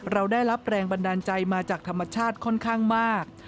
เราได้รับแรงบันดาลใจมาจากธรรมชาติค่อนข้างมาก